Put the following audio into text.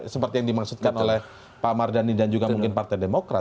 seperti yang dimaksudkan oleh pak mardhani dan juga mungkin partai demokrat